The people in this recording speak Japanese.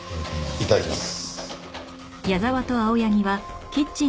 いただきます。